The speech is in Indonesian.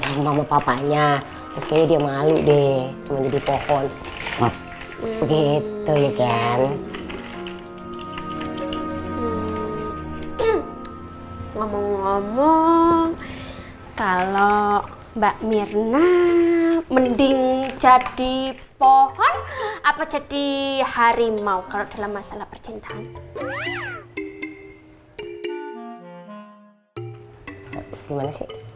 ngomong ngomong kalau mbak mirna mending jadi pohon apa jadi harimau kalau dalam masalah percintaan